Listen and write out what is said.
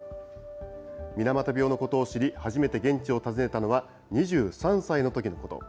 桑原さんが水俣病のことを知り、初めて現地を訪ねたのは、２３歳のときのこと。